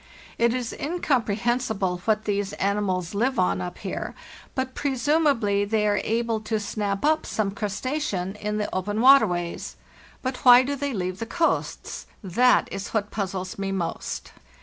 It is incomprehensible what these animals live on up here, but presumably they are able to snap up some crustacean in the open waterways. But why do they leave the coasts? That is what puzzles me most.